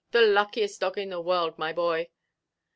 The luckiest dog in the world, my boy."